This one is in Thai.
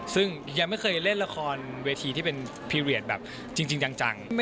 ซึ่งยังไม่เคยเล่นละครเวทีที่เป็นพีเรียสแบบจริงจัง